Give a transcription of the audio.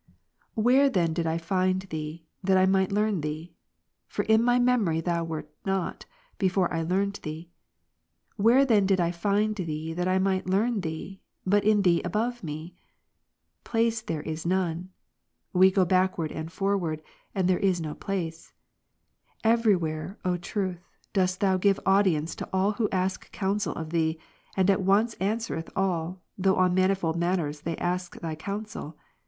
Where then did I find Thee, that I might learn Thee ? For in my memory Thou wert not, before I / learned Thee. Where then did I find Thee, that I might J learn Thee, but in Thee above me ? Place there is none ; we job 23, go backward and forward, and there is no place. Every ^•)'^ where, O Truth, dost Thou give audience to all who ask ' counsel of Thee, and at once answerest all, though on manifold matters they ask Thy counsel.